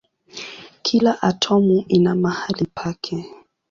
Kila atomu ina mahali pake.